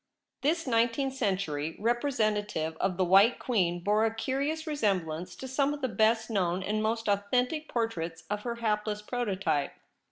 This nineteenth century representative of the White Queen bore a curious resemblance to some of the best known and most authentic portraits of lo THE REBEL ROSE. her hapless prototype.